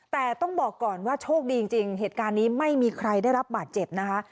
แต่ต้องบอกก่อนว่าโชคดีจริงเหตุการณ์นี้ไม่มีใครได้รับบาดเจ็บนะคะ